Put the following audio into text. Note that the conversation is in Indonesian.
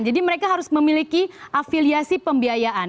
jadi mereka harus memiliki afiliasi pembiayaan